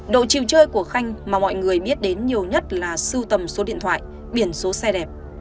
độ chiều chơi của khanh mà mọi người biết đến nhiều nhất là sưu tầm số điện thoại biển số xe đẹp